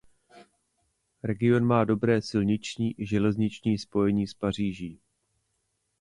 Region má dobré silniční i železniční spojení s Paříží.